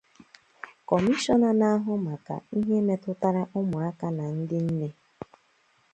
Kọmishọna na-ahụ maka ihe metụtara ụmụaka na ndị nne